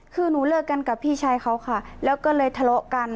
คือหนูเลิกกันกับพี่ชายเขาค่ะแล้วก็เลยทะเลาะกัน